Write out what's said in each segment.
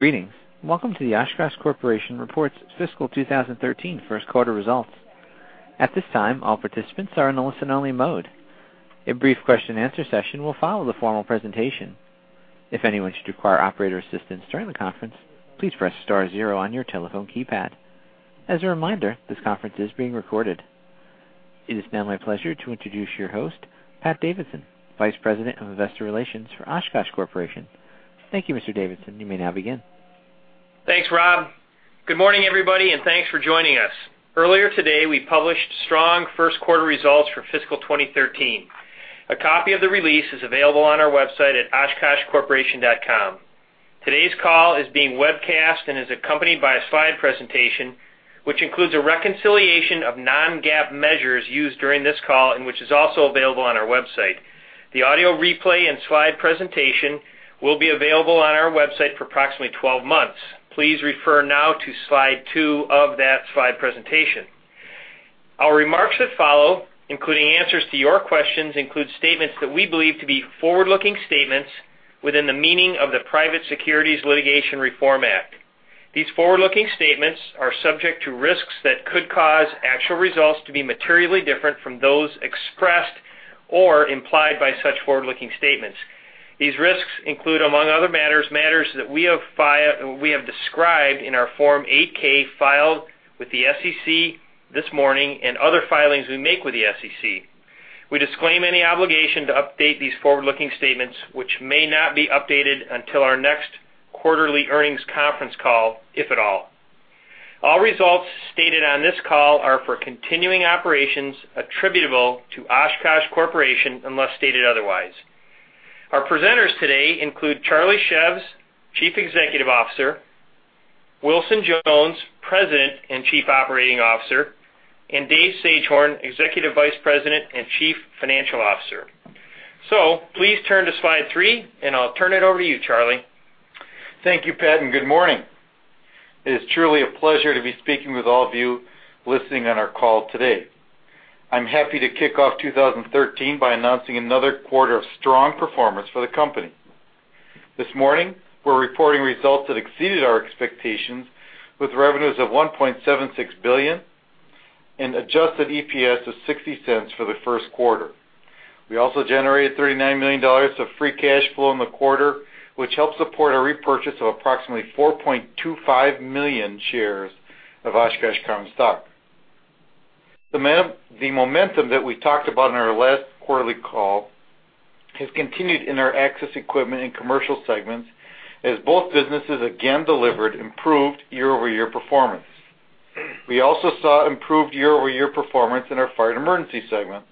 ...Greetings, and welcome to the Oshkosh Corporation Reports Fiscal 2013 First Quarter Results. At this time, all participants are in a listen-only mode. A brief question-and-answer session will follow the formal presentation. If anyone should require operator assistance during the conference, please press star zero on your telephone keypad. As a reminder, this conference is being recorded. It is now my pleasure to introduce your host, Pat Davidson, Vice President of Investor Relations for Oshkosh Corporation. Thank you, Mr. Davidson. You may now begin. Thanks, Rob. Good morning, everybody, and thanks for joining us. Earlier today, we published strong first quarter results for fiscal 2013. A copy of the release is available on our website at oshkoshcorporation.com. Today's call is being webcast and is accompanied by a slide presentation, which includes a reconciliation of non-GAAP measures used during this call and which is also available on our website. The audio replay and slide presentation will be available on our website for approximately 12 months. Please refer now to slide 2 of that slide presentation. Our remarks that follow, including answers to your questions, include statements that we believe to be forward-looking statements within the meaning of the Private Securities Litigation Reform Act. These forward-looking statements are subject to risks that could cause actual results to be materially different from those expressed or implied by such forward-looking statements. These risks include, among other matters, matters that we have described in our Form 8-K filed with the SEC this morning and other filings we make with the SEC. We disclaim any obligation to update these forward-looking statements, which may not be updated until our next quarterly earnings conference call, if at all. All results stated on this call are for continuing operations attributable to Oshkosh Corporation, unless stated otherwise. Our presenters today include Charlie Szews, Chief Executive Officer, Wilson Jones, President and Chief Operating Officer, and Dave Sagehorn, Executive Vice President and Chief Financial Officer. So please turn to slide three, and I'll turn it over to you, Charlie. Thank you, Pat, and good morning. It is truly a pleasure to be speaking with all of you listening on our call today. I'm happy to kick off 2013 by announcing another quarter of strong performance for the company. This morning, we're reporting results that exceeded our expectations, with revenues of $1.76 billion and adjusted EPS of $0.60 for the first quarter. We also generated $39 million of free cash flow in the quarter, which helped support a repurchase of approximately 4.25 million shares of Oshkosh common stock. The momentum that we talked about in our last quarterly call has continued in our access equipment and commercial segments, as both businesses again delivered improved year-over-year performance. We also saw improved year-over-year performance in our fire and emergency segment.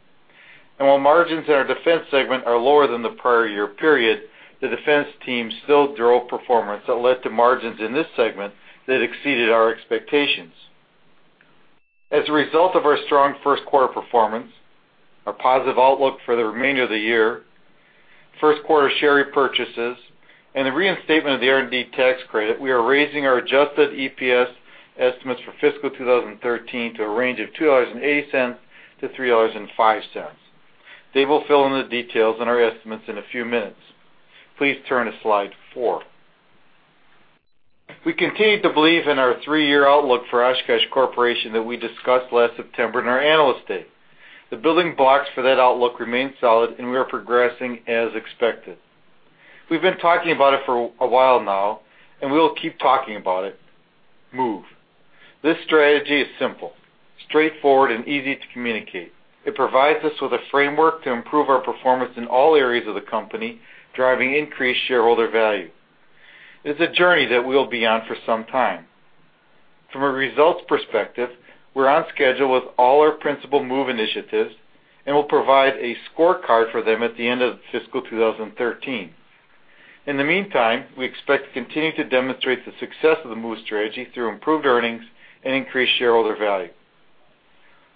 While margins in our defense segment are lower than the prior year period, the defense team still drove performance that led to margins in this segment that exceeded our expectations. As a result of our strong first quarter performance, our positive outlook for the remainder of the year, first quarter share repurchases, and the reinstatement of the R&D tax credit, we are raising our adjusted EPS estimates for fiscal 2013 to a range of $2.80-$3.05. Dave will fill in the details on our estimates in a few minutes. Please turn to slide 4. We continue to believe in our three-year outlook for Oshkosh Corporation that we discussed last September in our Analyst Day. The building blocks for that outlook remain solid, and we are progressing as expected. We've been talking about it for a while now, and we will keep talking about it. MOVE. This strategy is simple, straightforward, and easy to communicate. It provides us with a framework to improve our performance in all areas of the company, driving increased shareholder value. It's a journey that we'll be on for some time. From a results perspective, we're on schedule with all our principal MOVE initiatives and will provide a scorecard for them at the end of fiscal 2013. In the meantime, we expect to continue to demonstrate the success of the MOVE strategy through improved earnings and increased shareholder value.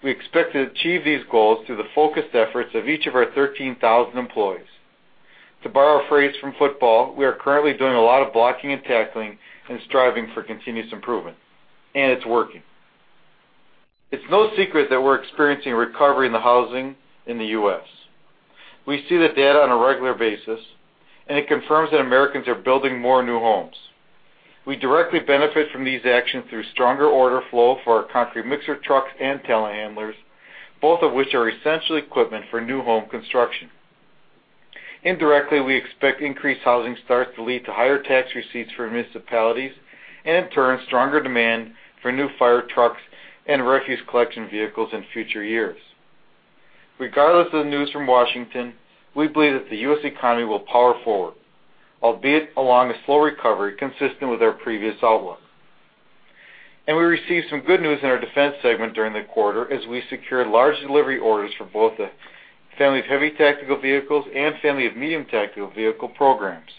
We expect to achieve these goals through the focused efforts of each of our 13,000 employees. To borrow a phrase from football, we are currently doing a lot of blocking and tackling and striving for continuous improvement, and it's working. It's no secret that we're experiencing recovery in the housing in the U.S. We see the data on a regular basis, and it confirms that Americans are building more new homes. We directly benefit from these actions through stronger order flow for our concrete mixer trucks and telehandlers, both of which are essential equipment for new home construction. Indirectly, we expect increased housing starts to lead to higher tax receipts for municipalities and, in turn, stronger demand for new fire trucks and refuse collection vehicles in future years. Regardless of the news from Washington, we believe that the U.S. economy will power forward, albeit along a slow recovery consistent with our previous outlook. We received some good news in our defense segment during the quarter, as we secured large delivery orders for both the Family of Heavy Tactical Vehicles and Family of Medium Tactical Vehicles programs.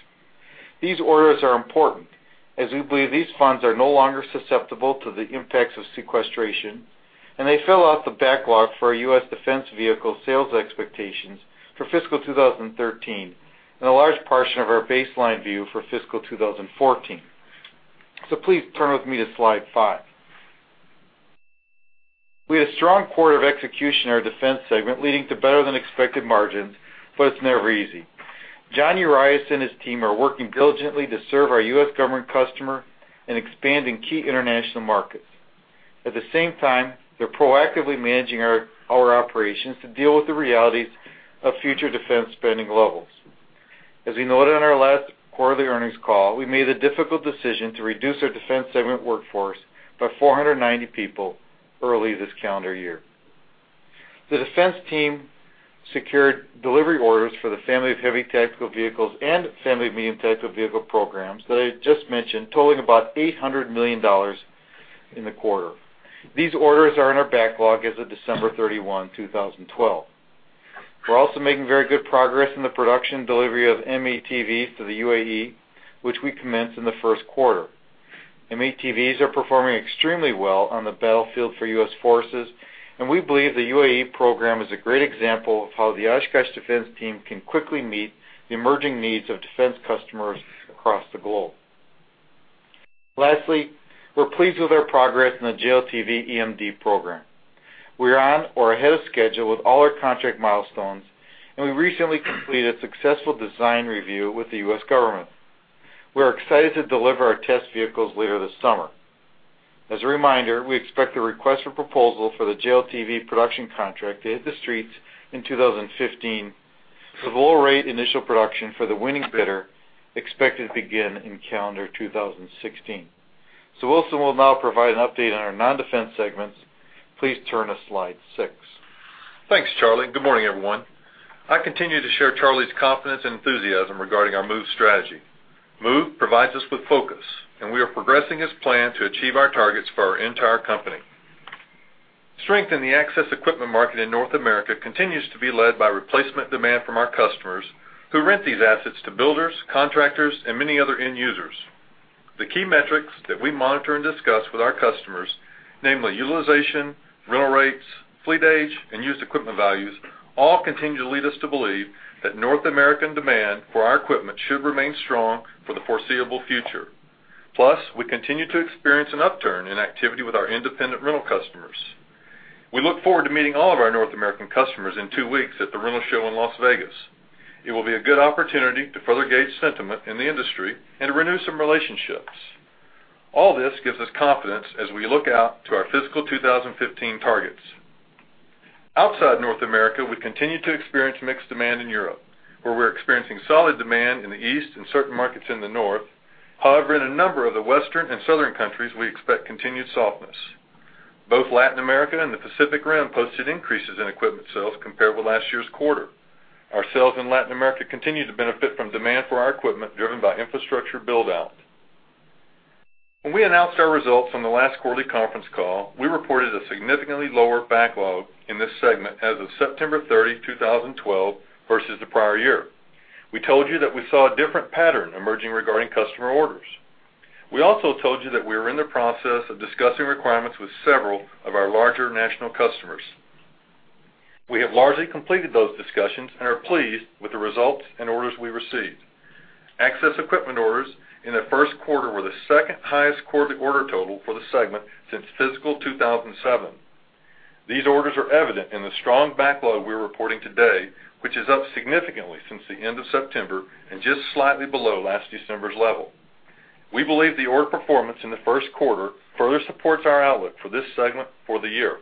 These orders are important as we believe these funds are no longer susceptible to the impacts of sequestration, and they fill out the backlog for our U.S. defense vehicle sales expectations for fiscal 2013 and a large portion of our baseline view for fiscal 2014. So please turn with me to slide 5. We had a strong quarter of execution in our defense segment, leading to better-than-expected margins, but it's never easy. John Urias and his team are working diligently to serve our U.S. government customer and expanding key international markets. At the same time, they're proactively managing our operations to deal with the realities of future defense spending levels. As we noted on our last quarterly earnings call, we made the difficult decision to reduce our defense segment workforce by 490 people early this calendar year. The defense team secured delivery orders for the Family of Heavy Tactical Vehicles and Family of Medium Tactical Vehicles programs that I just mentioned, totaling about $800 million in the quarter. These orders are in our backlog as of December 31, 2012. We're also making very good progress in the production delivery of M-ATVs to the UAE, which we commenced in the first quarter. M-ATVs are performing extremely well on the battlefield for U.S. forces, and we believe the UAE program is a great example of how the Oshkosh defense team can quickly meet the emerging needs of defense customers across the globe. Lastly, we're pleased with our progress in the JLTV EMD program. We are on or ahead of schedule with all our contract milestones, and we recently completed successful design review with the U.S. government. We are excited to deliver our test vehicles later this summer. As a reminder, we expect the request for proposal for the JLTV production contract to hit the streets in 2015, with Low Rate Initial Production for the winning bidder expected to begin in calendar 2016. Wilson will now provide an update on our non-defense segments. Please turn to Slide 6. Thanks, Charlie. Good morning, everyone. I continue to share Charlie's confidence and enthusiasm regarding our MOVE strategy. MOVE provides us with focus, and we are progressing as planned to achieve our targets for our entire company. Strength in the access equipment market in North America continues to be led by replacement demand from our customers, who rent these assets to builders, contractors, and many other end users. The key metrics that we monitor and discuss with our customers, namely utilization, rental rates, fleet age, and used equipment values, all continue to lead us to believe that North American demand for our equipment should remain strong for the foreseeable future. Plus, we continue to experience an upturn in activity with our independent rental customers. We look forward to meeting all of our North American customers in two weeks at the Rental Show in Las Vegas. It will be a good opportunity to further gauge sentiment in the industry and to renew some relationships. All this gives us confidence as we look out to our fiscal 2015 targets. Outside North America, we continue to experience mixed demand in Europe, where we're experiencing solid demand in the East and certain markets in the North. However, in a number of the Western and Southern countries, we expect continued softness. Both Latin America and the Pacific Rim posted increases in equipment sales compared with last year's quarter. Our sales in Latin America continue to benefit from demand for our equipment, driven by infrastructure build-out. When we announced our results on the last quarterly conference call, we reported a significantly lower backlog in this segment as of September 30, 2012, versus the prior year. We told you that we saw a different pattern emerging regarding customer orders. We also told you that we were in the process of discussing requirements with several of our larger national customers. We have largely completed those discussions and are pleased with the results and orders we received. Access equipment orders in the first quarter were the second-highest quarterly order total for the segment since fiscal 2007. These orders are evident in the strong backlog we're reporting today, which is up significantly since the end of September and just slightly below last December's level. We believe the order performance in the first quarter further supports our outlook for this segment for the year.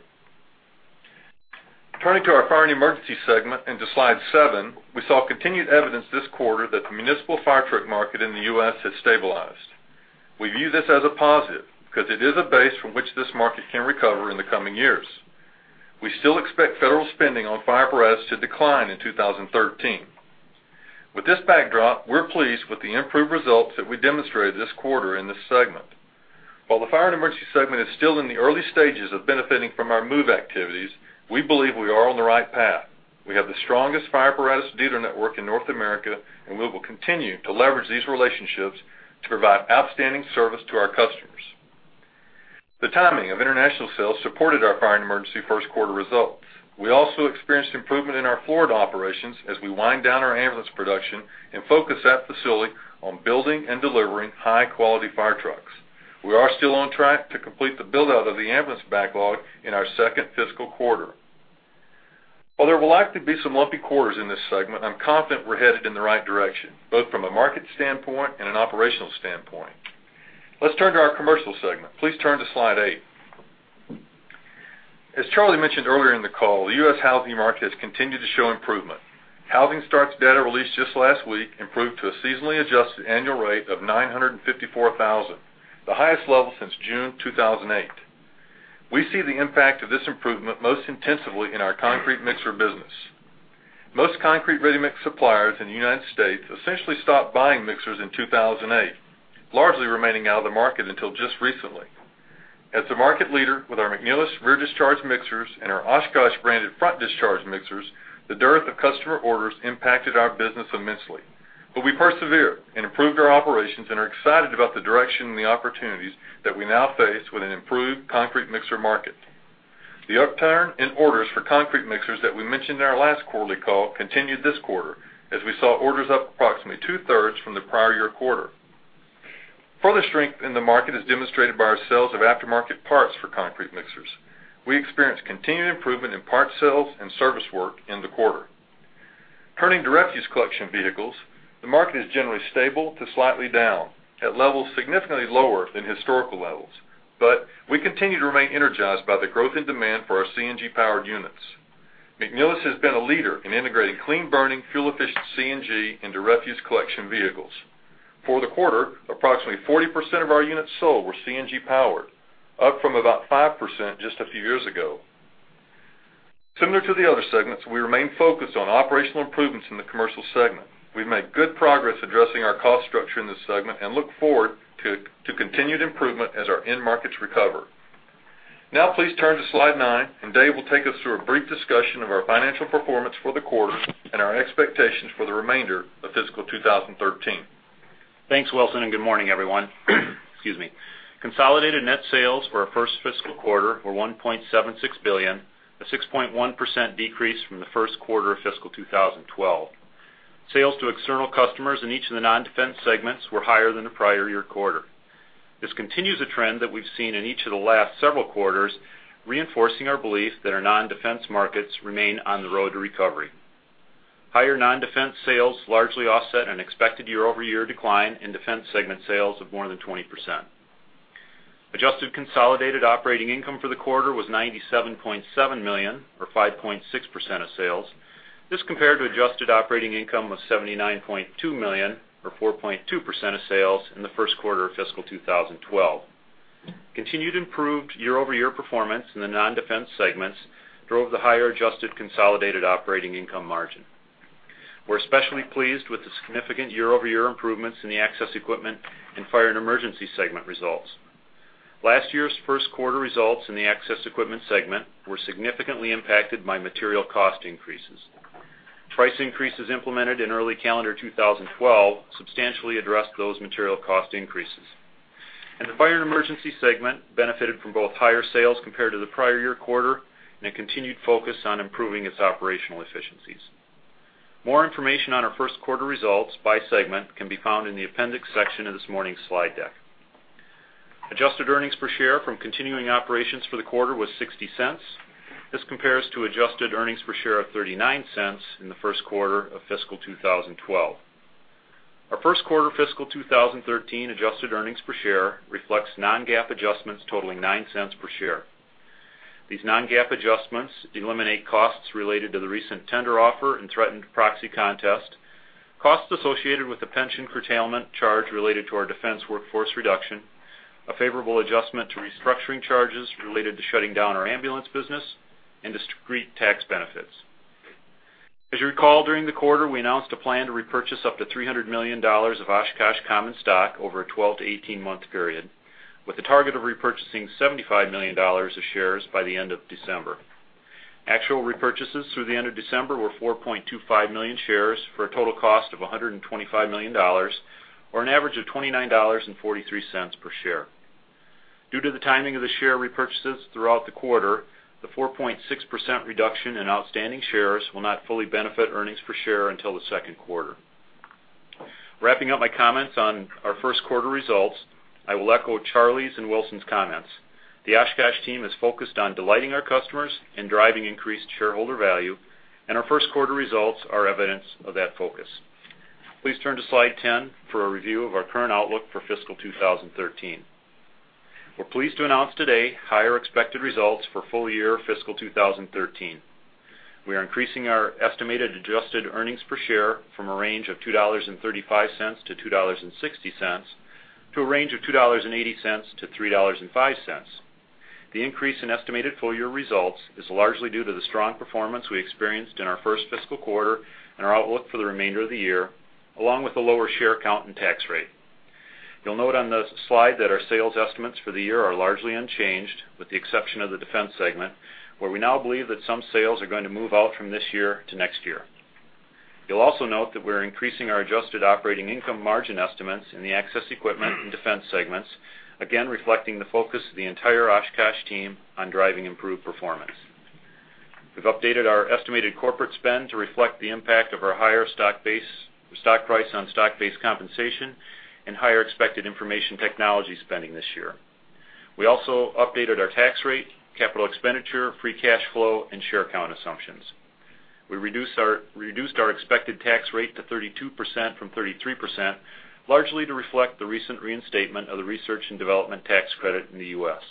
Turning to our fire and emergency segment, and to Slide 7, we saw continued evidence this quarter that the municipal fire truck market in the U.S. has stabilized. We view this as a positive because it is a base from which this market can recover in the coming years. We still expect federal spending on fire apparatus to decline in 2013. With this backdrop, we're pleased with the improved results that we demonstrated this quarter in this segment. While the fire and emergency segment is still in the early stages of benefiting from our MOVE activities, we believe we are on the right path. We have the strongest fire apparatus dealer network in North America, and we will continue to leverage these relationships to provide outstanding service to our customers. The timing of international sales supported our fire and emergency first quarter results. We also experienced improvement in our Florida operations as we wind down our ambulance production and focus that facility on building and delivering high-quality fire trucks. We are still on track to complete the build-out of the ambulance backlog in our second fiscal quarter. While there will likely be some lumpy quarters in this segment, I'm confident we're headed in the right direction, both from a market standpoint and an operational standpoint. Let's turn to our commercial segment. Please turn to Slide 8. As Charlie mentioned earlier in the call, the U.S. housing market has continued to show improvement. Housing starts data, released just last week, improved to a seasonally adjusted annual rate of 954,000, the highest level since June 2008. We see the impact of this improvement most intensively in our concrete mixer business. Most concrete ready-mix suppliers in the United States essentially stopped buying mixers in 2008, largely remaining out of the market until just recently. As the market leader with our McNeilus rear discharge mixers and our Oshkosh-branded front discharge mixers, the dearth of customer orders impacted our business immensely. But we persevered and improved our operations and are excited about the direction and the opportunities that we now face with an improved concrete mixer market. The upturn in orders for concrete mixers that we mentioned in our last quarterly call continued this quarter, as we saw orders up approximately two-thirds from the prior year quarter… Further strength in the market is demonstrated by our sales of aftermarket parts for concrete mixers. We experienced continued improvement in parts sales and service work in the quarter. Turning to refuse collection vehicles, the market is generally stable to slightly down, at levels significantly lower than historical levels, but we continue to remain energized by the growth in demand for our CNG-powered units. McNeilus has been a leader in integrating clean-burning, fuel-efficient CNG into refuse collection vehicles. For the quarter, approximately 40% of our units sold were CNG-powered, up from about 5% just a few years ago. Similar to the other segments, we remain focused on operational improvements in the Commercial segment. We've made good progress addressing our cost structure in this segment and look forward to continued improvement as our end markets recover. Now please turn to Slide 9, and Dave will take us through a brief discussion of our financial performance for the quarter and our expectations for the remainder of fiscal 2013. Thanks, Wilson, and good morning, everyone. Excuse me. Consolidated net sales for our first fiscal quarter were $1.76 billion, a 6.1% decrease from the first quarter of fiscal 2012. Sales to external customers in each of the non-Defense segments were higher than the prior year quarter. This continues a trend that we've seen in each of the last several quarters, reinforcing our belief that our non-Defense markets remain on the road to recovery. Higher non-Defense sales largely offset an expected year-over-year decline in Defense segment sales of more than 20%. Adjusted consolidated operating income for the quarter was $97.7 million, or 5.6% of sales. This compared to adjusted operating income of $79.2 million, or 4.2% of sales, in the first quarter of fiscal 2012. Continued improved year-over-year performance in the non-Defense segments drove the higher adjusted consolidated operating income margin. We're especially pleased with the significant year-over-year improvements in the Access Equipment and Fire and Emergency segment results. Last year's first quarter results in the Access Equipment segment were significantly impacted by material cost increases. Price increases implemented in early calendar 2012 substantially addressed those material cost increases. The Fire and Emergency segment benefited from both higher sales compared to the prior year quarter and a continued focus on improving its operational efficiencies. More information on our first quarter results by segment can be found in the Appendix section of this morning's slide deck. Adjusted earnings per share from continuing operations for the quarter was $0.60. This compares to adjusted earnings per share of $0.39 in the first quarter of fiscal 2012. Our first quarter fiscal 2013 adjusted earnings per share reflects non-GAAP adjustments totaling $0.09 per share. These non-GAAP adjustments eliminate costs related to the recent tender offer and threatened proxy contest, costs associated with the pension curtailment charge related to our Defense workforce reduction, a favorable adjustment to restructuring charges related to shutting down our ambulance business, and discrete tax benefits. As you recall, during the quarter, we announced a plan to repurchase up to $300 million of Oshkosh common stock over a 12- to 18-month period, with a target of repurchasing $75 million of shares by the end of December. Actual repurchases through the end of December were 4.25 million shares for a total cost of $125 million, or an average of $29.43 per share. Due to the timing of the share repurchases throughout the quarter, the 4.6% reduction in outstanding shares will not fully benefit earnings per share until the second quarter. Wrapping up my comments on our first quarter results, I will echo Charlie's and Wilson's comments. The Oshkosh team is focused on delighting our customers and driving increased shareholder value, and our first quarter results are evidence of that focus. Please turn to Slide 10 for a review of our current outlook for fiscal 2013. We're pleased to announce today higher expected results for full-year fiscal 2013. We are increasing our estimated adjusted earnings per share from a range of $2.35-$2.60 to a range of $2.80-$3.05. The increase in estimated full year results is largely due to the strong performance we experienced in our first fiscal quarter and our outlook for the remainder of the year, along with a lower share count and tax rate. You'll note on the slide that our sales estimates for the year are largely unchanged, with the exception of the Defense segment, where we now believe that some sales are going to move out from this year to next year. You'll also note that we're increasing our adjusted operating income margin estimates in the Access Equipment and Defense segments, again, reflecting the focus of the entire Oshkosh team on driving improved performance. We've updated our estimated corporate spend to reflect the impact of our higher stock price on stock-based compensation and higher expected information technology spending this year. We also updated our tax rate, capital expenditure, free cash flow, and share count assumptions. We reduced our expected tax rate to 32% from 33%, largely to reflect the recent reinstatement of the research and development tax credit in the U.S.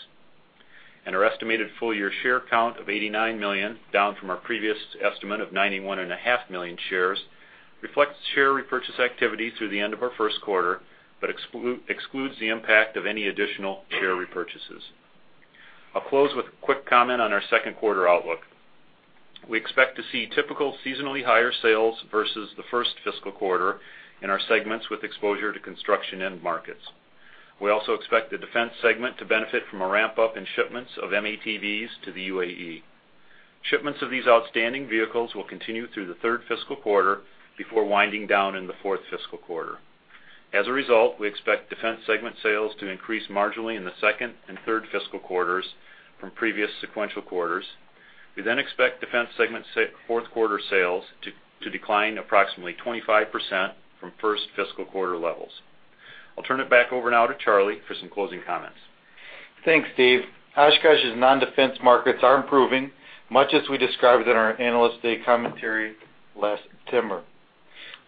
And our estimated full-year share count of 89 million, down from our previous estimate of 91.5 million shares, reflects share repurchase activity through the end of our first quarter, but excludes the impact of any additional share repurchases. I'll close with a quick comment on our second quarter outlook. We expect to see typical seasonally higher sales versus the first fiscal quarter in our segments with exposure to construction end markets. We also expect the Defense segment to benefit from a ramp-up in shipments of M-ATVs to the UAE. Shipments of these outstanding vehicles will continue through the third fiscal quarter before winding down in the fourth fiscal quarter. As a result, we expect Defense segment sales to increase marginally in the second and third fiscal quarters from previous sequential quarters.... We then expect Defense segment fourth quarter sales to decline approximately 25% from first fiscal quarter levels. I'll turn it back over now to Charlie for some closing comments. Thanks, Dave. Oshkosh's non-defense markets are improving, much as we described in our Analyst Day commentary last September.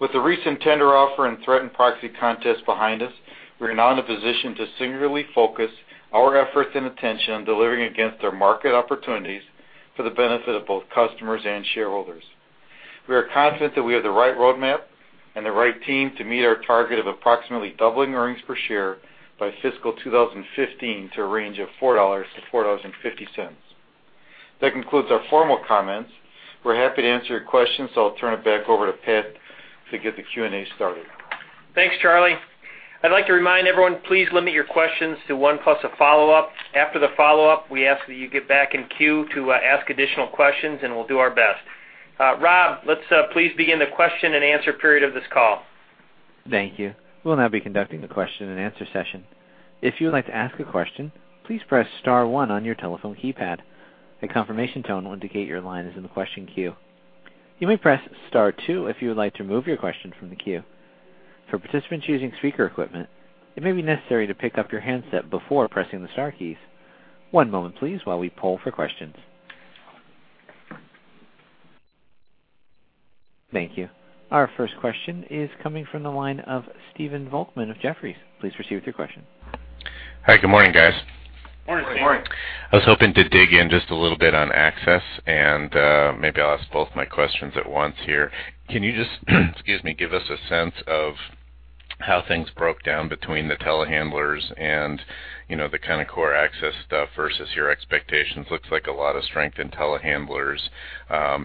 With the recent tender offer and threatened proxy contest behind us, we're now in a position to singularly focus our efforts and attention on delivering against our market opportunities for the benefit of both customers and shareholders. We are confident that we have the right roadmap and the right team to meet our target of approximately doubling earnings per share by fiscal 2015 to a range of $4-$4.50. That concludes our formal comments. We're happy to answer your questions, so I'll turn it back over to Pat to get the Q&A started. Thanks, Charlie. I'd like to remind everyone, please limit your questions to one, plus a follow-up. After the follow-up, we ask that you get back in queue to ask additional questions, and we'll do our best. Rob, let's please begin the question-and-answer period of this call. Thank you. We'll now be conducting the question-and-answer session. If you would like to ask a question, please press star one on your telephone keypad. A confirmation tone will indicate your line is in the question queue. You may press star two if you would like to remove your question from the queue. For participants using speaker equipment, it may be necessary to pick up your handset before pressing the star keys. One moment, please, while we poll for questions. Thank you. Our first question is coming from the line of Stephen Volkmann of Jefferies. Please proceed with your question. Hi, good morning, guys. Morning, Steve. Good morning. I was hoping to dig in just a little bit on access, and maybe I'll ask both my questions at once here. Can you just, excuse me, give us a sense of how things broke down between the telehandlers and, you know, the kind of core access stuff versus your expectations? Looks like a lot of strength in telehandlers.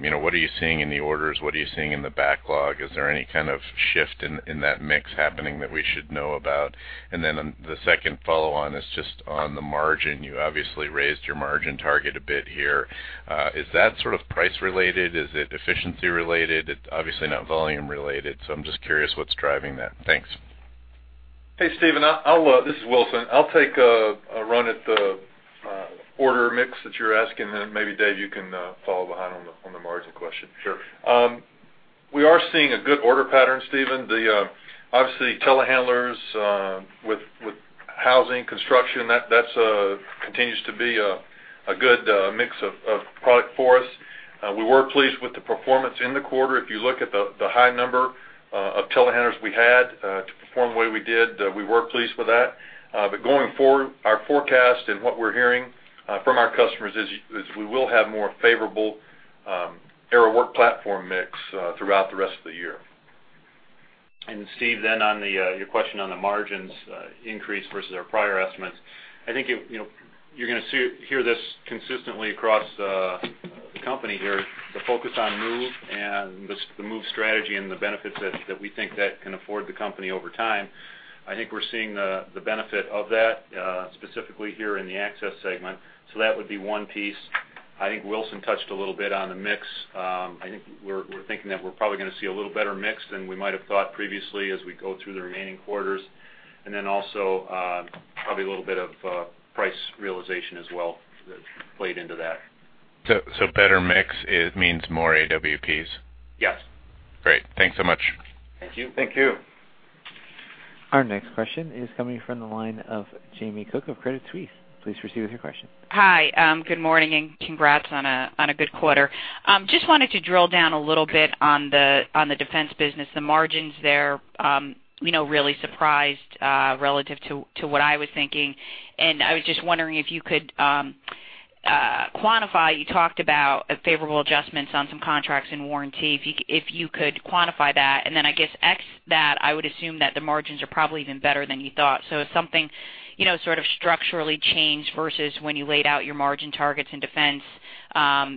You know, what are you seeing in the orders? What are you seeing in the backlog? Is there any kind of shift in that mix happening that we should know about? And then the second follow-on is just on the margin. You obviously raised your margin target a bit here. Is that sort of price-related? Is it efficiency-related? It's obviously not volume-related, so I'm just curious what's driving that. Thanks. Hey, Steven. This is Wilson. I'll take a run at the order mix that you're asking, and then maybe, Dave, you can follow behind on the margin question. Sure. We are seeing a good order pattern, Steven. Obviously, telehandlers with housing construction, that's continues to be a good mix of product for us. We were pleased with the performance in the quarter. If you look at the high number of telehandlers we had to perform the way we did, we were pleased with that. But going forward, our forecast and what we're hearing from our customers is we will have more favorable aerial work platform mix throughout the rest of the year. Steve, then on the, your question on the margins, increase versus our prior estimates. I think, it, you know, you're gonna see, hear this consistently across the, the company here, the focus on MOVE and the MOVE strategy and the benefits that, that we think that can afford the company over time. I think we're seeing the, the benefit of that, specifically here in the Access segment, so that would be one piece. I think Wilson touched a little bit on the mix. I think we're, we're thinking that we're probably gonna see a little better mix than we might have thought previously as we go through the remaining quarters. Then also, probably a little bit of, price realization as well that played into that. So, better mix? It means more AWPs? Yes. Great. Thanks so much. Thank you. Thank you. Our next question is coming from the line of Jamie Cook of Credit Suisse. Please proceed with your question. Hi, good morning, and congrats on a good quarter. Just wanted to drill down a little bit on the Defense business, the margins there. You know, really surprised relative to what I was thinking, and I was just wondering if you could quantify. You talked about favorable adjustments on some contracts and warranty, if you could quantify that, and then I guess, except that, I would assume that the margins are probably even better than you thought. So if something, you know, sort of structurally changed versus when you laid out your margin targets in Defense,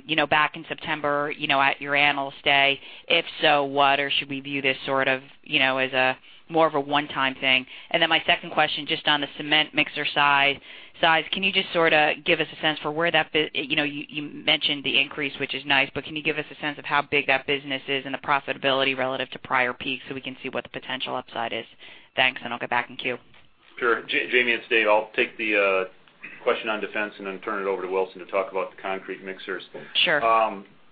you know, back in September, you know, at your Analyst Day. If so, what? Or should we view this sort of, you know, as more of a one-time thing? And then my second question, just on the cement mixer side, can you just sorta give us a sense for where that business you know, you mentioned the increase, which is nice, but can you give us a sense of how big that business is and the profitability relative to prior peaks, so we can see what the potential upside is? Thanks, and I'll get back in queue. Sure. Jamie, it's Dave. I'll take the question on Defense and then turn it over to Wilson to talk about the concrete mixers. Sure.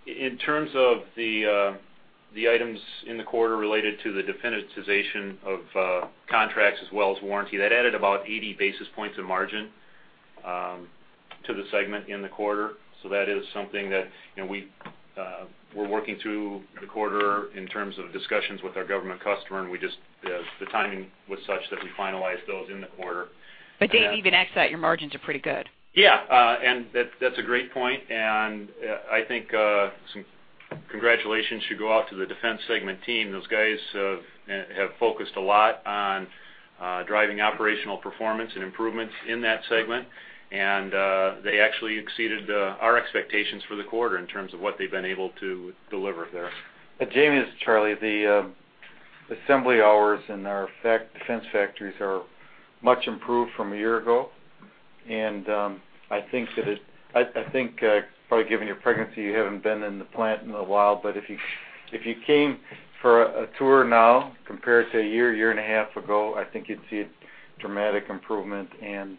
In terms of the items in the quarter related to the definitization of contracts as well as warranty, that added about 80 basis points of margin to the segment in the quarter. So that is something that, you know, we're working through the quarter in terms of discussions with our government customer, and we just, the timing was such that we finalized those in the quarter. Dave, even ex that, your margins are pretty good. Yeah, and that's a great point, and I think some congratulations should go out to the Defense segment team. Those guys have focused a lot on driving operational performance and improvements in that segment, and they actually exceeded our expectations for the quarter in terms of what they've been able to deliver there. Jamie, it's Charlie. The assembly hours in our Defense factories are much improved from a year ago, and I think, probably given your pregnancy, you haven't been in the plant in a while, but if you came for a tour now compared to a year, year and a half ago, I think you'd see a dramatic improvement and-...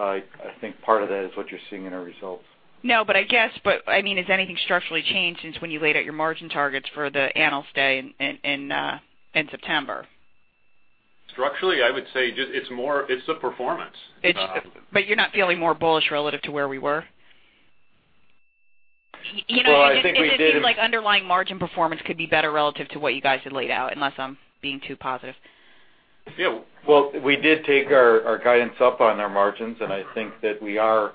I think part of that is what you're seeing in our results. No, but I guess, I mean, has anything structurally changed since when you laid out your margin targets for the Analyst Day in September? Structurally, I would say just it's more, it's the performance. But you're not feeling more bullish relative to where we were? Well, I think we did- It seems like underlying margin performance could be better relative to what you guys had laid out, unless I'm being too positive. Yeah. Well, we did take our guidance up on our margins, and I think that we are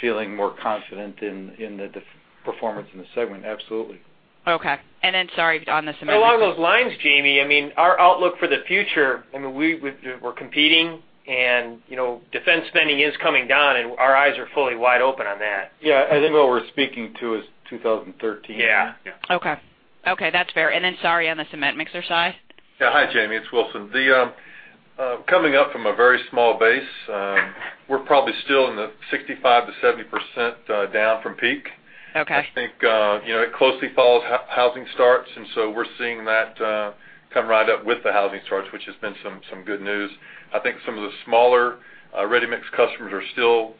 feeling more confident in the performance in the segment. Absolutely. Okay. Then, sorry, on the concrete mixer. Along those lines, Jamie, I mean, our outlook for the future, I mean, we're competing, and, you know, defense spending is coming down, and our eyes are fully wide open on that. Yeah. I think what we're speaking to is 2013. Yeah. Okay. Okay, that's fair. And then, sorry, on the cement mixer side? Yeah. Hi, Jamie, it's Wilson. The coming up from a very small base, we're probably still in the 65%-70%, down from peak. Okay. I think, you know, it closely follows housing starts, and so we're seeing that come right up with the housing starts, which has been some, some good news. I think some of the smaller, ready-mix customers are still,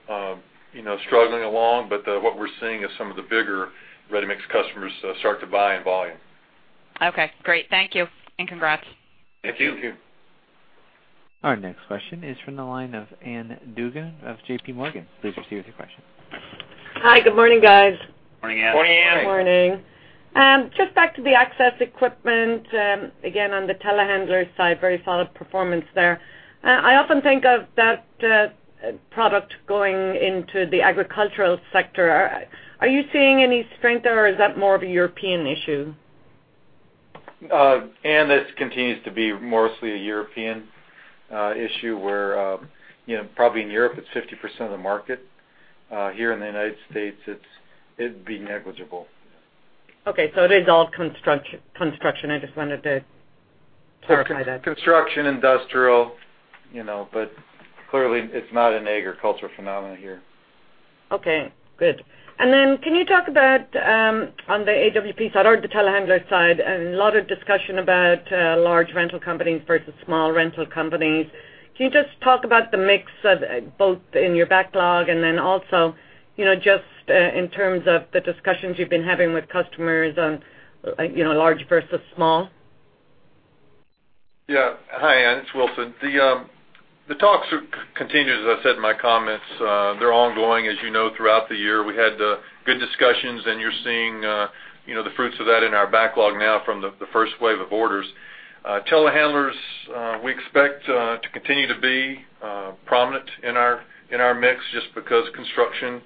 you know, struggling along, but what we're seeing is some of the bigger ready-mix customers start to buy in volume. Okay, great. Thank you, and congrats. Thank you. Thank you. Our next question is from the line of Ann Duignan of JPMorgan. Please proceed with your question. Hi, good morning, guys. Morning, Ann. Morning, Ann. Good morning. Just back to the access equipment, again, on the telehandler side, very solid performance there. I often think of that product going into the agricultural sector. Are you seeing any strength, or is that more of a European issue? Ann, this continues to be mostly a European issue, where, you know, probably in Europe, it's 50% of the market. Here in the United States, it'd be negligible. Okay, so it is all construction. I just wanted to clarify that. Construction, industrial, you know, but clearly, it's not an agricultural phenomenon here. Okay, good. And then can you talk about on the AWP side or the telehandler side, a lot of discussion about large rental companies versus small rental companies. Can you just talk about the mix of both in your backlog and then also, you know, just in terms of the discussions you've been having with customers on, you know, large versus small? Yeah. Hi, Anne, it's Wilson. The talks are continued, as I said in my comments, they're ongoing, as you know, throughout the year. We had good discussions, and you're seeing, you know, the fruits of that in our backlog now from the first wave of orders. Telehandlers, we expect to continue to be prominent in our mix just because construction,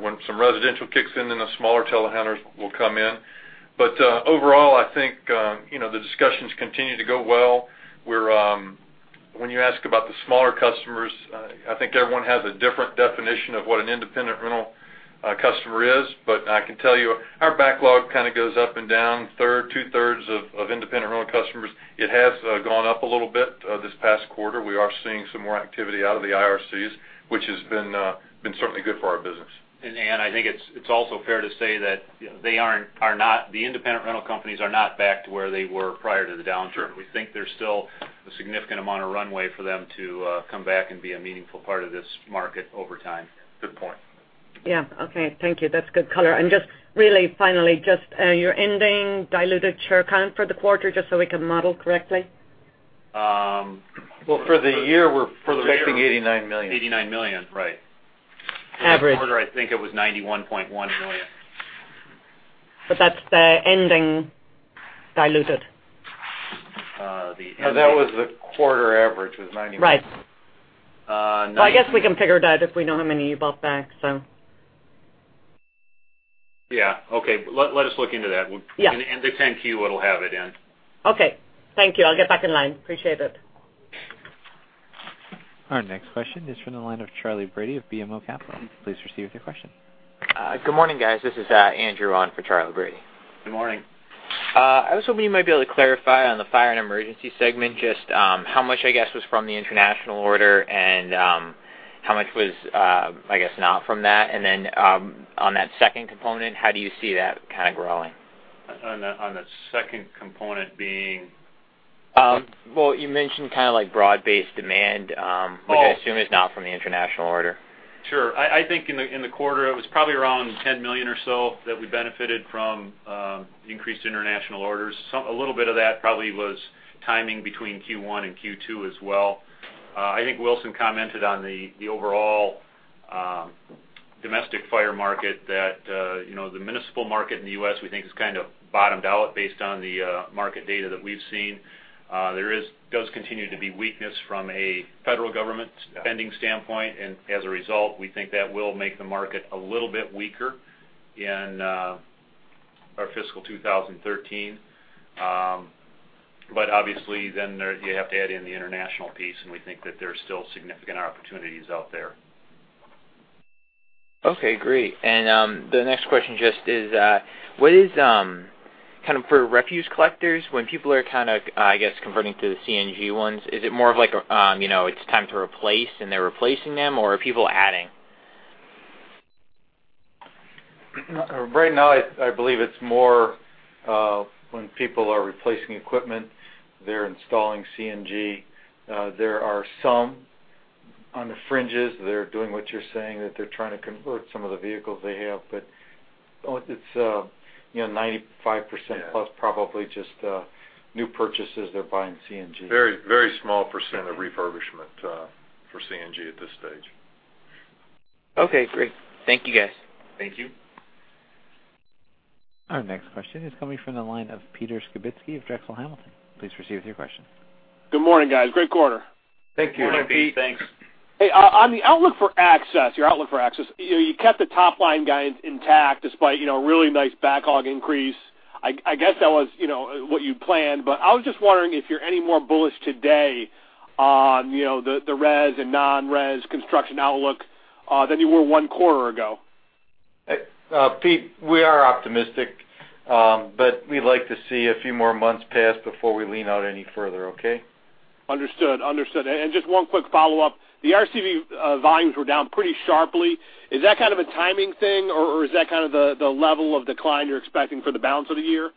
when some residential kicks in, then the smaller telehandlers will come in. But overall, I think, you know, the discussions continue to go well. We're, when you ask about the smaller customers, I think everyone has a different definition of what an independent rental customer is. But I can tell you, our backlog kind of goes up and down, two-thirds of independent rental customers. It has gone up a little bit, this past quarter. We are seeing some more activity out of the IRCs, which has been certainly good for our business. Ann, I think it's also fair to say that, you know, they are not. The Independent Rental Companies are not back to where they were prior to the downturn. Sure. We think there's still a significant amount of runway for them to come back and be a meaningful part of this market over time. Good point. Yeah. Okay, thank you. That's good color. Just really, finally, just, your ending diluted share count for the quarter, just so we can model correctly? Well, for the year, we're- For the year, $89 million. $89 million, right. Average. I think it was $91.1 million. But that's the ending diluted? Uh, the- No, that was the quarter average. It was 91. Right. Uh, ninety- So I guess we can figure that if we know how many you bought back, so. Yeah. Okay. Let us look into that. Yeah. In the 10-Q, it'll have it, Ann. Okay. Thank you. I'll get back in line. Appreciate it. Our next question is from the line of Charlie Brady of BMO Capital. Please receive your question. Good morning, guys. This is Andrew on for Charlie Brady. Good morning. I was hoping you might be able to clarify on the fire and emergency segment, just how much, I guess, was from the international order and how much was, I guess, not from that? And then, on that second component, how do you see that kind of growing? On the second component being? Well, you mentioned kind of like broad-based demand, Well- which I assume is not from the international order. Sure. I think in the quarter, it was probably around $10 million or so that we benefited from increased international orders. Some. A little bit of that probably was timing between Q1 and Q2 as well. I think Wilson commented on the overall domestic fire market that you know, the municipal market in the U.S., we think, has kind of bottomed out based on the market data that we've seen. Does continue to be weakness from a federal government- Yeah -spending standpoint, and as a result, we think that will make the market a little bit weaker in our fiscal 2013. But obviously, then there, you have to add in the international piece, and we think that there are still significant opportunities out there. Okay, great. And the next question just is, what is kind of for refuse collectors, when people are kind of, I guess, converting to the CNG ones, is it more of like a, you know, it's time to replace and they're replacing them, or are people adding?... Right now, I believe it's more when people are replacing equipment, they're installing CNG. There are some on the fringes that are doing what you're saying, that they're trying to convert some of the vehicles they have. But oh, it's you know, 95%- Yeah - plus probably just, new purchases, they're buying CNG. Very, very small % of refurbishment for CNG at this stage. Okay, great. Thank you, guys. Thank you. Our next question is coming from the line of Pete Skibitski of Drexel Hamilton. Please proceed with your question. Good morning, guys. Great quarter. Thank you. Good morning, Pete. Thanks. Hey, on the outlook for Access, your outlook for Access, you know, you kept the top line guide intact despite, you know, a really nice backlog increase. I guess that was, you know, what you planned, but I was just wondering if you're any more bullish today on, you know, the res and non-res construction outlook than you were one quarter ago? Pete, we are optimistic, but we'd like to see a few more months pass before we lean out any further, okay? Understood. Understood. Just one quick follow-up. The RCV volumes were down pretty sharply. Is that kind of a timing thing, or is that kind of the level of decline you're expecting for the balance of the year?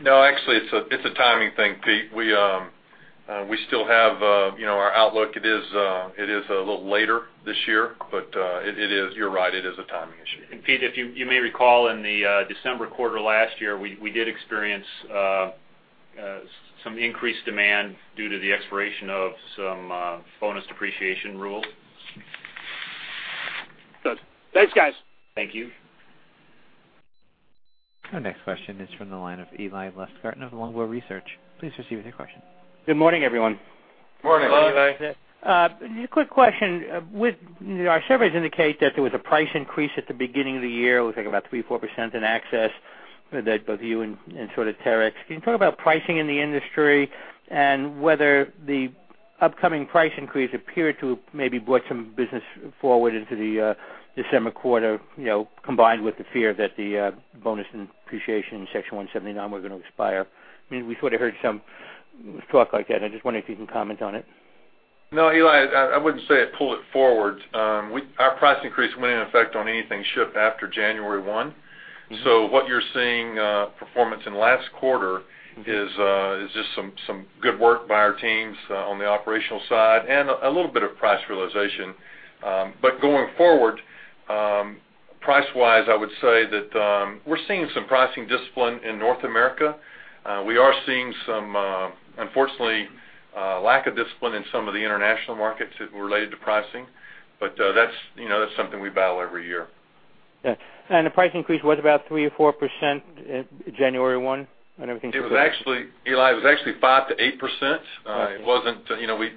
No, actually, it's a timing thing, Pete. We still have, you know, our outlook. It is, it is a little later this year, but, it, it is. You're right, it is a timing issue. Pete, if you may recall in the December quarter last year, we did experience some increased demand due to the expiration of some bonus depreciation rules. Good. Thanks, guys. Thank you. Our next question is from the line of Eli Lustgarten of Longbow Research. Please proceed with your question. Good morning, everyone. Morning. Hello, Eli. Quick question. With our surveys indicate that there was a price increase at the beginning of the year, I think about 3%-4% in Access, that both you and, and sort of Terex. Can you talk about pricing in the industry and whether the upcoming price increase appeared to maybe brought some business forward into the December quarter, you know, combined with the fear that the bonus depreciation in Section 179 were going to expire? I mean, we sort of heard some talk like that, and I just wonder if you can comment on it. No, Eli, I wouldn't say it pulled it forward. Our price increase went in effect on anything shipped after January one. So what you're seeing, performance in last quarter is just some good work by our teams on the operational side and a little bit of price realization. But going forward, price-wise, I would say that we're seeing some pricing discipline in North America. We are seeing some, unfortunately, lack of discipline in some of the international markets that were related to pricing, but that's, you know, that's something we battle every year. Yeah. And the price increase was about 3%-4%, January 1? I don't think- It was actually, Eli, it was actually 5%-8%. Okay. It wasn't, you know, we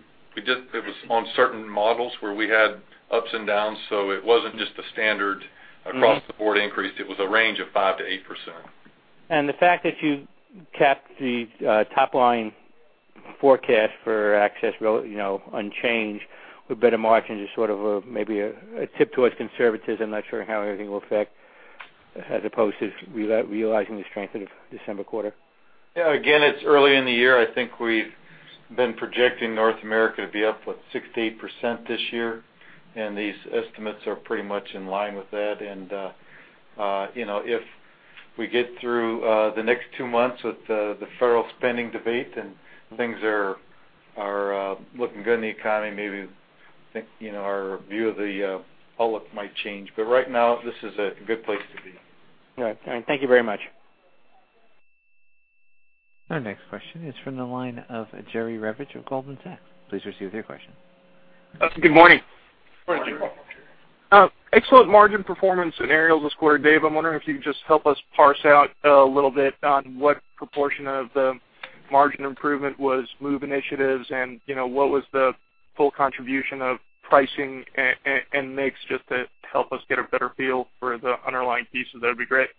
just -- It was on certain models where we had ups and downs, so it wasn't just a standard- Mm-hmm across-the-board increase. It was a range of 5%-8%. The fact that you kept the top-line forecast for Access, you know, unchanged with better margins is sort of maybe a tip towards conservatism, not sure how everything will affect, as opposed to realizing the strength of the December quarter. Yeah. Again, it's early in the year. I think we've been projecting North America to be up, what, 6%-8% this year, and these estimates are pretty much in line with that. You know, if we get through the next two months with the federal spending debate and things are looking good in the economy, maybe our view of the outlook might change. But right now, this is a good place to be. All right. Thank you very much. Our next question is from the line of Jerry Revich of Goldman Sachs. Please receive your question. Good morning. Morning. Morning. Excellent margin performance in aerials square. Dave, I'm wondering if you can just help us parse out a little bit on what proportion of the margin improvement was MOVE initiatives and, you know, what was the full contribution of pricing and mix, just to help us get a better feel for the underlying pieces. That'd be great.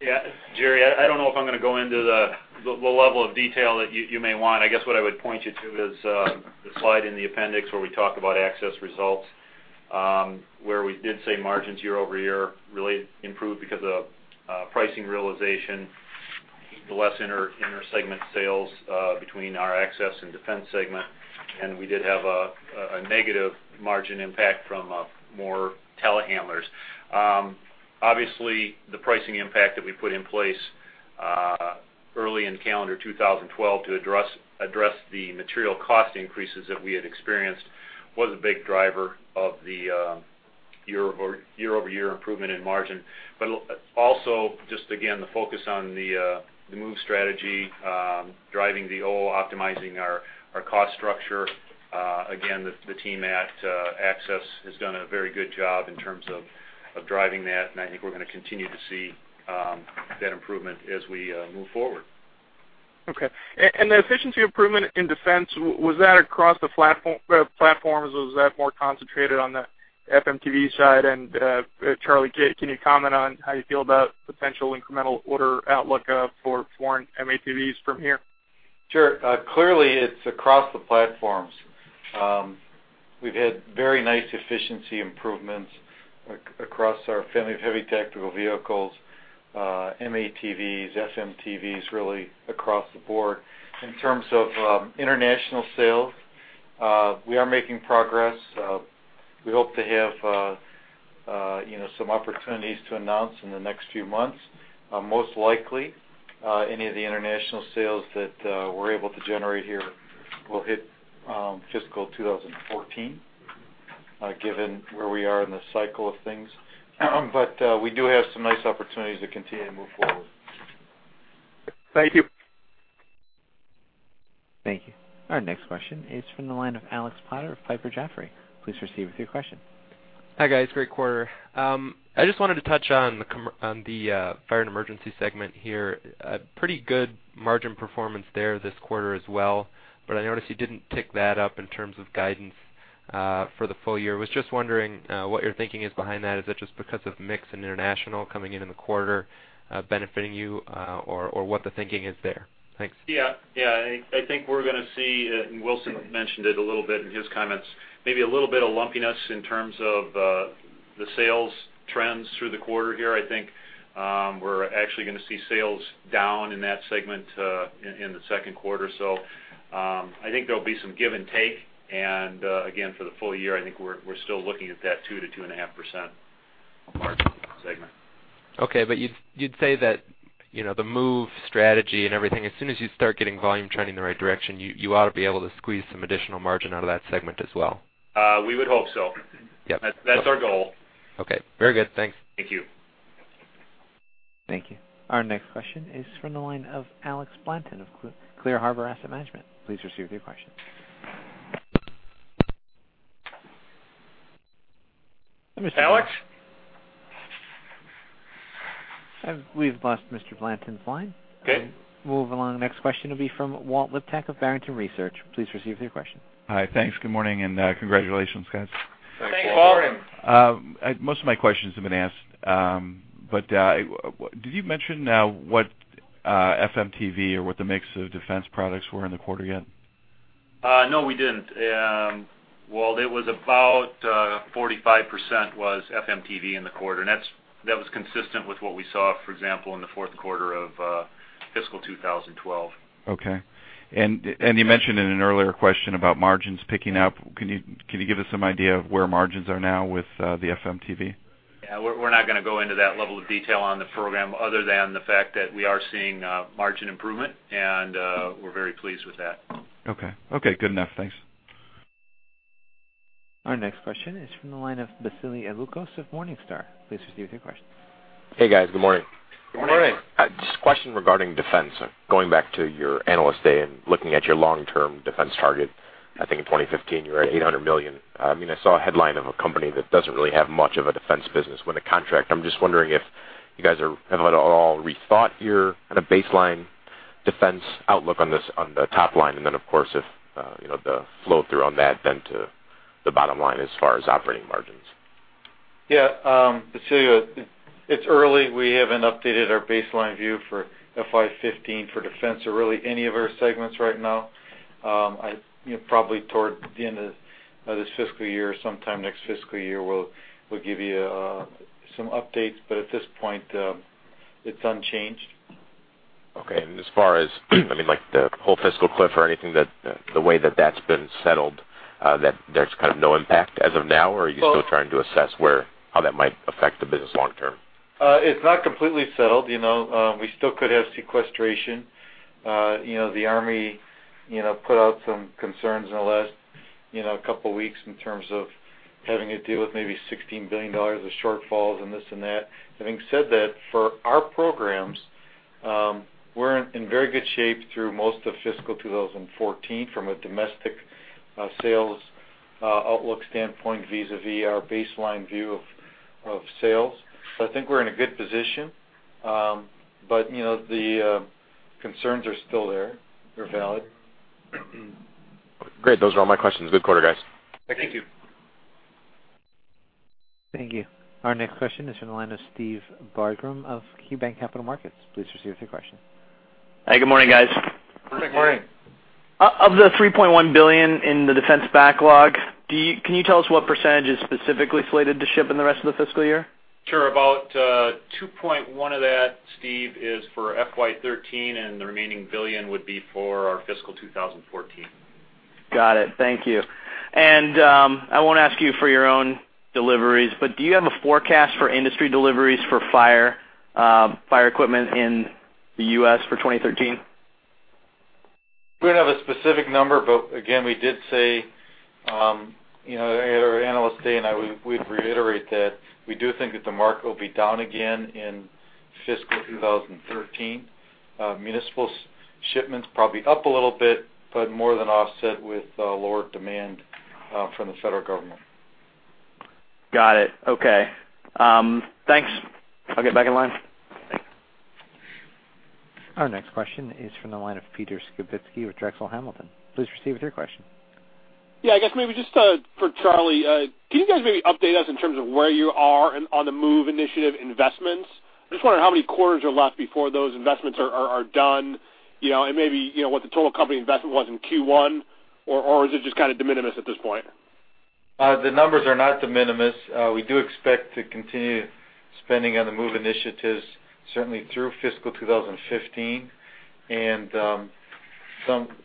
Yeah, Jerry, I don't know if I'm going to go into the level of detail that you may want. I guess what I would point you to is the slide in the appendix where we talk about Access results, where we did say margins year-over-year really improved because of pricing realization, the less intersegment sales between our Access and Defense segment, and we did have a negative margin impact from more telehandlers. Obviously, the pricing impact that we put in place early in calendar 2012 to address the material cost increases that we had experienced was a big driver of the year-over-year improvement in margin. But also, just again, the focus on the MOVE strategy, optimizing our cost structure, again, the team at Access has done a very good job in terms of driving that, and I think we're going to continue to see that improvement as we move forward. Okay. And the efficiency improvement in Defense, was that across the platform, platforms, or was that more concentrated on the FMTV side? And, Charlie, can you comment on how you feel about potential incremental order outlook, for foreign M-ATVs from here? Sure. Clearly, it's across the platforms. We've had very nice efficiency improvements across our family of heavy tactical vehicles, M-ATVs, FMTVs, really across the board. In terms of international sales-... We are making progress. We hope to have, you know, some opportunities to announce in the next few months. Most likely, any of the international sales that we're able to generate here will hit fiscal 2014, given where we are in the cycle of things. But we do have some nice opportunities to continue to move forward. Thank you. Thank you. Our next question is from the line of Alex Potter of Piper Jaffray. Please proceed with your question. Hi, guys, great quarter. I just wanted to touch on the Fire and Emergency segment here. A pretty good margin performance there this quarter as well, but I noticed you didn't pick that up in terms of guidance for the full year. Was just wondering what your thinking is behind that. Is that just because of mix in international coming in in the quarter benefiting you, or what the thinking is there? Thanks. Yeah. Yeah, I think we're gonna see, and Wilson mentioned it a little bit in his comments, maybe a little bit of lumpiness in terms of the sales trends through the quarter here. I think we're actually gonna see sales down in that segment, in the second quarter. So, I think there'll be some give and take. And again, for the full year, I think we're still looking at that 2%-2.5% margin segment. Okay, but you'd say that, you know, the MOVE strategy and everything, as soon as you start getting volume trending in the right direction, you ought to be able to squeeze some additional margin out of that segment as well? We would hope so. Yep. That's our goal. Okay, very good. Thanks. Thank you. Thank you. Our next question is from the line of Alex Blanton of Clear Harbor Asset Management. Please receive your question. Alex? We've lost Mr. Blanton's line. Okay. Move along. The next question will be from Walt Liptak of Barrington Research. Please receive your question. Hi. Thanks. Good morning, and, congratulations, guys. Thank you, Walt. Good morning. Most of my questions have been asked. But did you mention what FMTV or what the mix of defense products were in the quarter yet? No, we didn't. Walt, it was about 45% was FMTV in the quarter, and that was consistent with what we saw, for example, in the fourth quarter of fiscal 2012. Okay. And you mentioned in an earlier question about margins picking up. Can you give us some idea of where margins are now with the FMTV? Yeah, we're, we're not gonna go into that level of detail on the program, other than the fact that we are seeing margin improvement, and we're very pleased with that. Okay. Okay, good enough. Thanks. Our next question is from the line of Basili Alukos of Morningstar. Please proceed with your question. Hey, guys. Good morning. Good morning. Good morning. Just a question regarding defense. Going back to your Analyst Day and looking at your long-term defense target, I think in 2015, you were at $800 million. I mean, I saw a headline of a company that doesn't really have much of a defense business with a contract. I'm just wondering if you guys are, have at all rethought your kind of baseline defense outlook on this, on the top line, and then, of course, if, you know, the flow-through on that, then to the bottom line as far as operating margins. Yeah, Basili, it's early. We haven't updated our baseline view for FY 15 for defense or really any of our segments right now. You know, probably toward the end of this fiscal year, sometime next fiscal year, we'll give you some updates, but at this point, it's unchanged. Okay. And as far as, I mean, like, the whole fiscal cliff or anything, that the way that that's been settled, that there's kind of no impact as of now? Well- Or are you still trying to assess where, how that might affect the business long term? It's not completely settled, you know? We still could have sequestration. You know, the Army, you know, put out some concerns in the last, you know, couple of weeks in terms of having to deal with maybe $16 billion of shortfalls and this and that. Having said that, for our programs, we're in very good shape through most of fiscal 2014 from a domestic sales outlook standpoint vis-a-vis our baseline view of sales. So I think we're in a good position, but, you know, the concerns are still there. They're valid. Great. Those are all my questions. Good quarter, guys. Thank you. Thank you. Thank you. Our next question is from the line of Steve Barger of KeyBanc Capital Markets. Please proceed with your question. Hi, good morning, guys. Good morning. Good morning. Of the $3.1 billion in the defense backlog, can you tell us what percentage is specifically slated to ship in the rest of the fiscal year? Sure. About $2.1 billion of that, Steve, is for FY 2013, and the remaining $1 billion would be for our fiscal 2014. Got it. Thank you. And, I won't ask you for your own deliveries, but do you have a forecast for industry deliveries for fire equipment in the U.S. for 2013? We don't have a specific number, but again, we did say, you know, at our Analyst Day, and we'd reiterate that we do think that the market will be down again in fiscal 2013. Municipal shipments probably up a little bit, but more than offset with lower demand from the federal government. Got it. Okay. Thanks. I'll get back in line. Our next question is from the line of Pete Skibitski with Drexel Hamilton. Please proceed with your question. Yeah, I guess maybe just, for Charlie, can you guys maybe update us in terms of where you are on the MOVE initiative investments? I'm just wondering how many quarters are left before those investments are done, you know, and maybe, you know, what the total company investment was in Q1, or is it just kind of de minimis at this point? The numbers are not de minimis. We do expect to continue spending on the MOVE initiatives, certainly through fiscal 2015. And,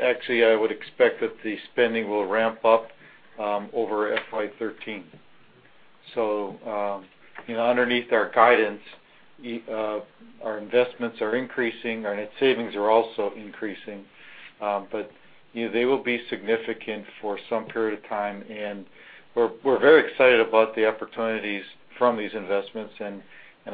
actually, I would expect that the spending will ramp up over FY 13. So, you know, underneath our guidance, our investments are increasing, our net savings are also increasing. But, you know, they will be significant for some period of time, and we're very excited about the opportunities from these investments, and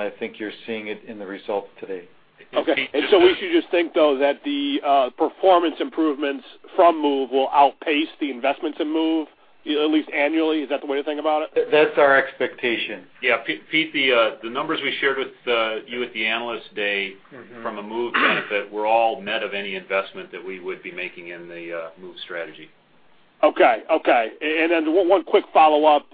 I think you're seeing it in the results today. Okay. And so we should just think, though, that the performance improvements from MOVE will outpace the investments in MOVE, at least annually? Is that the way to think about it? That's our expectation. Yeah, Pete, Pete, the numbers we shared with you at the Analyst Day- Mm-hmm. -from a MOVE benefit, were all net of any investment that we would be making in the, MOVE strategy. Okay. Okay, and then one quick follow-up,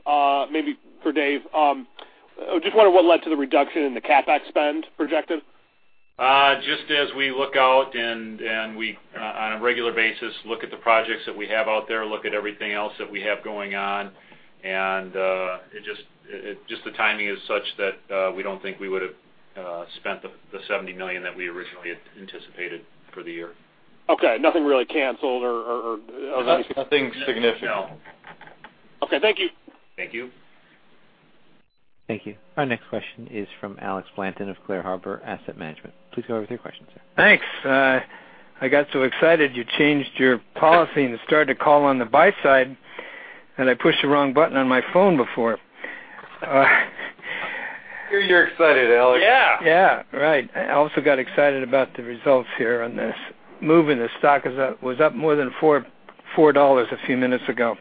maybe for Dave. I just wonder what led to the reduction in the CapEx spend projected? Just as we look out and we, on a regular basis, look at the projects that we have out there, look at everything else that we have going on, and just the timing is such that we don't think we would've spent the $70 million that we originally had anticipated for the year. Okay, nothing really canceled or... Nothing significant. No. Okay, thank you. Thank you. Thank you. Our next question is from Alex Blanton of Clear Harbor Asset Management. Please go ahead with your question, sir. Thanks. I got so excited you changed your policy and started to call on the buy side, and I pushed the wrong button on my phone before. Hey, you're excited, Alex. Yeah! Yeah, right. I also got excited about the results here on this. MOVE in the stock is up, was up more than $4 a few minutes ago.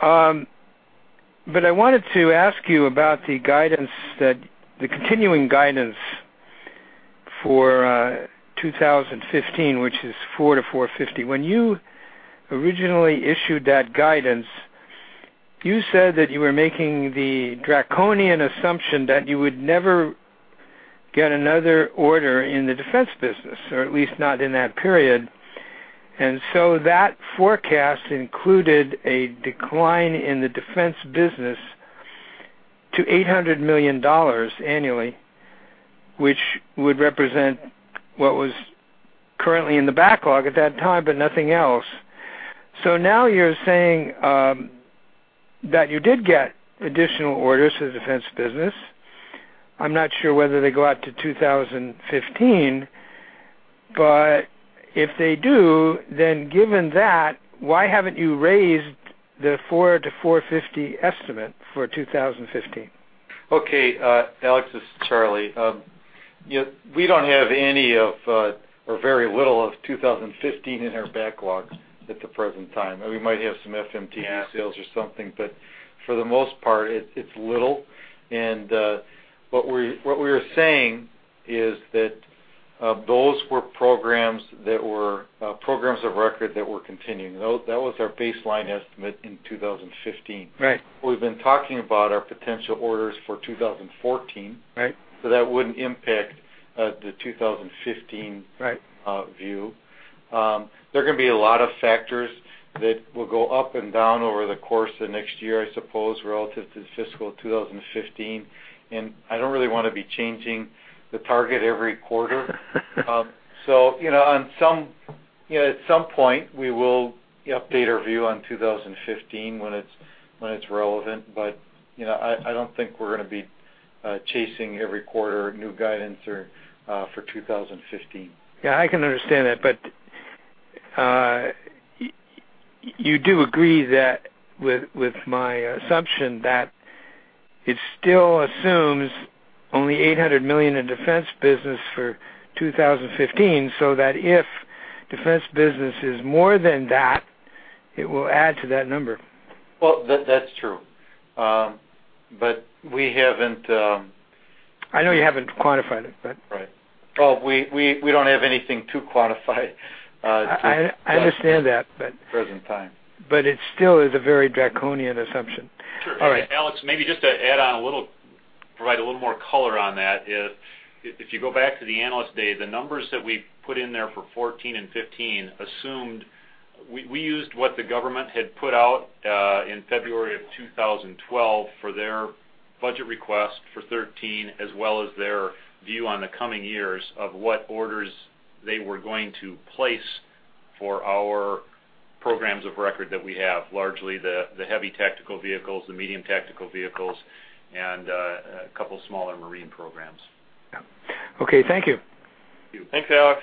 But I wanted to ask you about the guidance that. The continuing guidance for 2015, which is $4-$4.50. When you originally issued that guidance, you said that you were making the draconian assumption that you would never get another order in the defense business, or at least not in that period. And so that forecast included a decline in the defense business to $800 million annually, which would represent what was currently in the backlog at that time, but nothing else. So now you're saying that you did get additional orders for the defense business. I'm not sure whether they go out to 2015, but if they do, then given that, why haven't you raised the $4-$4.50 estimate for 2015? Okay, Alex, this is Charlie. You know, we don't have any of, or very little of 2015 in our backlogs at the present time. We might have some FMTV sales or something, but for the most part, it's little. And, what we were saying is that, those were programs of record that were continuing. That was our baseline estimate in 2015. Right. We've been talking about our potential orders for 2014. Right. So that wouldn't impact the 2015- Right view. There are going to be a lot of factors that will go up and down over the course of the next year, I suppose, relative to fiscal 2015, and I don't really want to be changing the target every quarter. So, you know, on some... You know, at some point, we will update our view on 2015 when it's, when it's relevant, but, you know, I, I don't think we're going to be, chasing every quarter new guidance or, for 2015. Yeah, I can understand that, but, you do agree that with, with my assumption that it still assumes only $800 million in defense business for 2015, so that if defense business is more than that, it will add to that number? Well, that, that's true. But we haven't, I know you haven't quantified it, but- Right. Well, we don't have anything to quantify, to- I understand that, but- -present time. But it still is a very draconian assumption. Sure. All right. Alex, maybe just to add on a little, provide a little more color on that. If you go back to the Analyst Day, the numbers that we put in there for 14 and 15 assumed we used what the government had put out in February 2012 for their budget request for 13, as well as their view on the coming years of what orders they were going to place for our programs of record that we have, largely the heavy tactical vehicles, the medium tactical vehicles, and a couple smaller Marine programs. Yeah. Okay, thank you. Thank you. Thanks, Alex.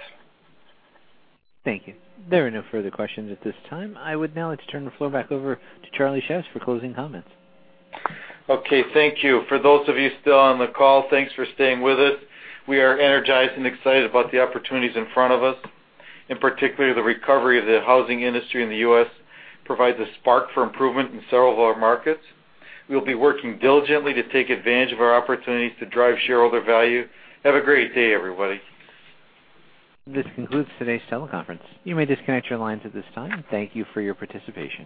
Thank you. There are no further questions at this time. I would now like to turn the floor back over to Charlie Szews for closing comments. Okay, thank you. For those of you still on the call, thanks for staying with us. We are energized and excited about the opportunities in front of us, and particularly the recovery of the housing industry in the U.S. provides a spark for improvement in several of our markets. We'll be working diligently to take advantage of our opportunities to drive shareholder value. Have a great day, everybody. This concludes today's teleconference. You may disconnect your lines at this time. Thank you for your participation.